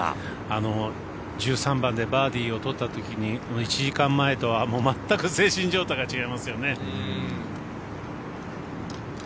あの１３番でバーディーをとった時に１時間前とは全く精神状態が違いますよね。